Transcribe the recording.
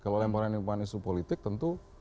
kalau lemparan lemparan isu politik tentu